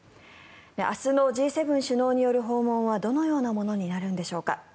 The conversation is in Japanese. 明日のＧ７首脳による訪問はどのようなものになるんでしょうか。